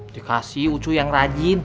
dikasih ucuy yang rajin